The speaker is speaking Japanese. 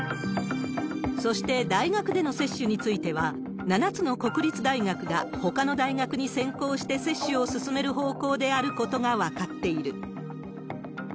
そして、大学での接種については７つの国立大学がほかの大学に先行して接種を進める方向であることが分かっている。